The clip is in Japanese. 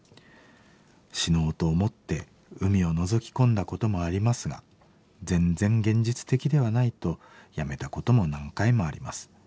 死のうと思って海をのぞき込んだこともありますが全然現実的ではないとやめたことも何回もあります。